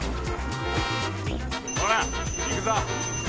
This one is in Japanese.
おら行くぞ。